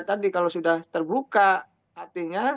tadi kalau sudah terbuka artinya